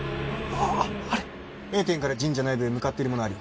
あっあれＡ点から神社内部へ向かっている者あり